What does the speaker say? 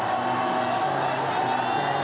โอ้โอ้โอ้